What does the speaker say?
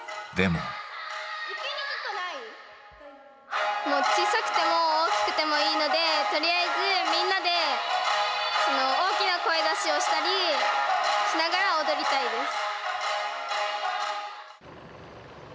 もう小さくても大きくてもいいのでとりあえずみんなでその大きな声出しをしたりしながら踊りたいです。